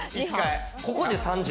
ここで３０